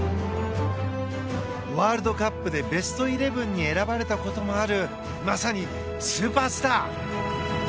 ワールドカップでベストイレブンに選ばれたこともあるまさにスーパースター。